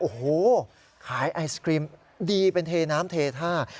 โอ้โหขายไอศครีมดีเป็นเทน้ำเทท่า